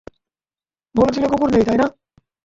বলেছিলে কুকুর নেই, তাই না?